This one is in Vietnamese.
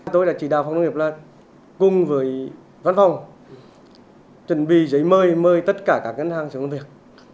tôi đã chỉ đạo phòng nông nghiệp là cùng với văn phòng chuẩn bị giấy mời mời tất cả các ngân hàng xuống làm việc